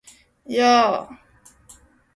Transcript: やー！！！